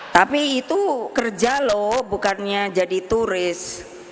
tapi itu kerja loh bukannya jadi turis